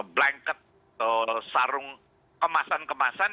blanket sarung kemasan kemasan